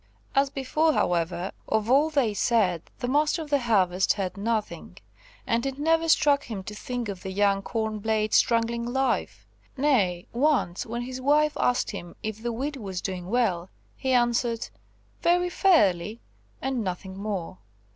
As before, however, of all they said the Master of the Harvest heard nothing; and it never struck him to think of the young corn blades' struggling life. Nay, once, when his wife asked him if the wheat was doing well, he answered, "Very fairly," and nothing more.